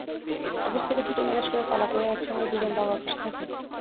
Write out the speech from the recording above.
Office থেকে ছুটি manage করে পালা করে একসঙ্গে দুজন বাবার পাশে থাকি।